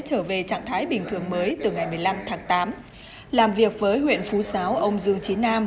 trở về trạng thái bình thường mới từ ngày một mươi năm tháng tám làm việc với huyện phú giáo ông dương trí nam